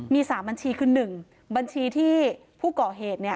มี๓บัญชีคือ๑บัญชีที่ผู้ก่อเหตุ